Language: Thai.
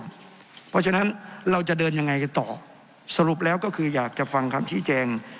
เพราะฉะนั้นเราจะเดินยังไงกันต่อสรุปแล้วก็คืออยากจะฟังคำชี้แจง